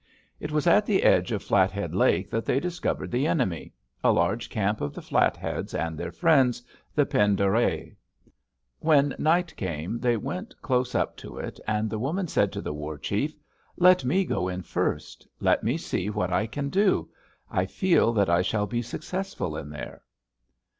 "It was at the edge of Flathead Lake that they discovered the enemy, a large camp of the Flatheads and their friends, the Pend d'Oreilles. When night came they went close up to it, and the woman said to the war chief: 'Let me go in first. Let me see what I can do. I feel that I shall be successful in there.'